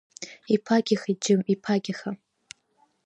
Иԥагьахеит, џьым, иԥагьаха!